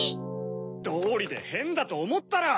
どうりでヘンだとおもったら！